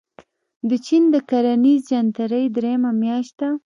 د چين د کرنیزې جنترې درېیمه میاشت ده.